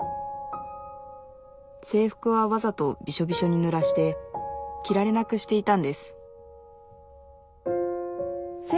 制服はわざとビショビショにぬらして着られなくしていたんです